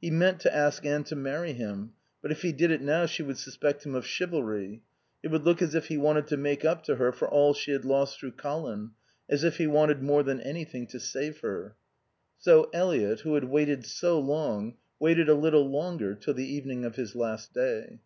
He meant to ask Anne to marry him; but if he did it now she would suspect him of chivalry; it would look as if he wanted to make up to her for all she had lost through Colin; as if he wanted more than anything to save her. So Eliot, who had waited so long, waited a little longer, till the evening of his last day.